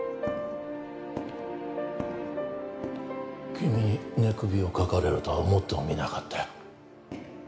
君に寝首をかかれるとは思ってもみなかったよ